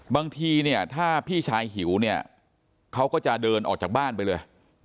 บางทีเนี่ยถ้าพี่ชายหิวเนี่ยเขาก็จะเดินออกจากบ้านไปเลย